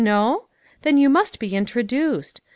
No? Then you must be introduced.